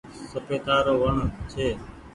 سپيتا رو وڻ ڇي۔